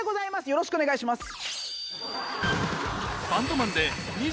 よろしくお願いします。